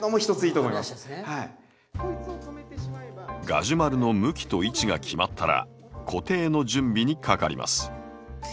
ガジュマルの向きと位置が決まったら固定の準備にかかります。